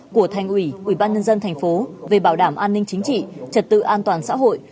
của thành ủy ủy ban nhân dân thành phố về bảo đảm an ninh chính trị trật tự an toàn xã hội